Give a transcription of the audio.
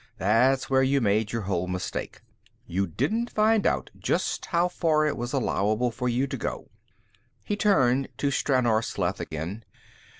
That's where you made your whole mistake. You didn't find out just how far it was allowable for you to go." He turned to Stranor Sleth again.